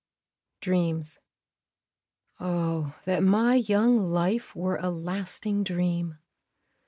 DREAMS Oh! that my young life were a lasting dream!